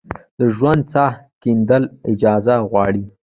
د ژورې څاه کیندل اجازه غواړي؟